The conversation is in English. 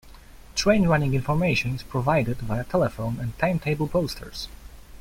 Train running information is provided via telephone and timetable posters.